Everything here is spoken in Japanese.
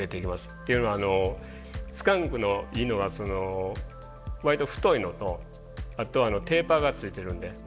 っていうのはスカンクのいいのは割と太いのとあとテイパーがついてるんで。